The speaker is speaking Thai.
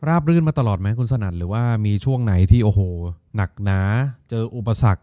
รื่นมาตลอดไหมคุณสนัดหรือว่ามีช่วงไหนที่โอ้โหหนักหนาเจออุปสรรค